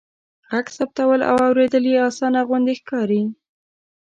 ږغ ثبتول او اوریدل يې آسانه غوندې ښکاري.